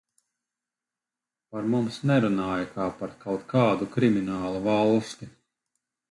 Par mums nerunāja kā par kaut kādu kriminālu valsti.